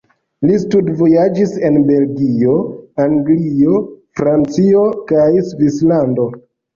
Li studvojaĝis en Belgio, Anglio, Francio kaj Svislando.